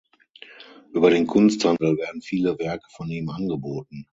Über den Kunsthandel werden viele Werke von ihm angeboten.